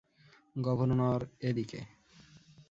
Governor, এদিকে!